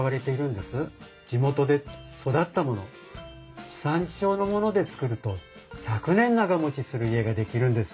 地元で育ったもの地産地消のもので造ると１００年長もちする家が出来るんです。